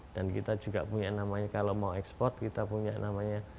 dan kita juga punya namanya kalau mau ekspor kita punya namanya